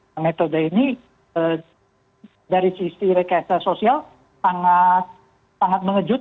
metode ini dari sisi rekesa sosial sangat mengejut